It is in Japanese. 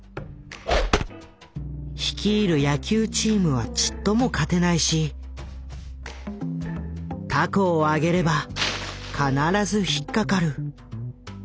率いる野球チームはちっとも勝てないし凧を揚げれば必ず引っ掛かる。